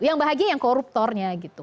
yang bahagia yang koruptornya gitu